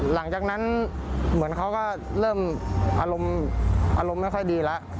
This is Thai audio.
หลังจากนั้นเหมือนเขาก็เริ่มอารมณ์ไม่ค่อยดีแล้ว